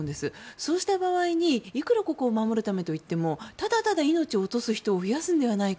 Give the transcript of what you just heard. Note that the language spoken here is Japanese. そうした場合いくらここを守るためといってもただただ、命を落とす人を増やすのではないか。